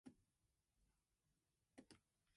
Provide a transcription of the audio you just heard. These connections are classified as poles.